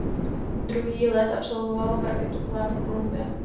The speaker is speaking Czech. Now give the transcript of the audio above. Druhý let absolvoval v raketoplánu Columbia.